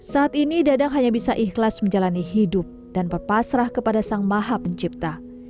saat ini dadang hanya bisa ikhlas menjalani hidup dan berpasrah kepada sang maha pencipta